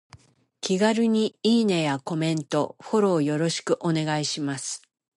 気軽にいいねやコメント、フォローよろしくお願いします。